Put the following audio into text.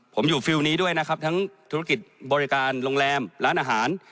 ผมอยู่ฟิลลนี้ด้วยนะครับทั้งธุรกิจบริการโรงแรมร้านอาหาร